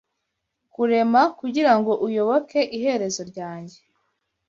kurema Kugira ngo uyoboke iherezo ryanjye